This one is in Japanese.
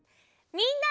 みんな！